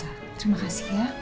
terima kasih ya